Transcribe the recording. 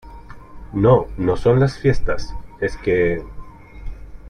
no, no son las fiestas , es que...